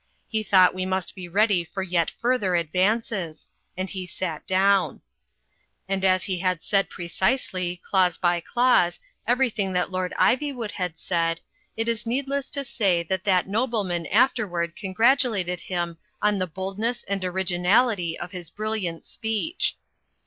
He thought we must be ready for yet further advances; and he sat down. u,y,u.«u by Google VEGETARIANaSM 133 And as he had said precisely, clause by clause, every thing that Lord Iv)rwood had said, it is needless to say that that nobleman afterward congratulated him on the boldness and originality of his brilliant speech.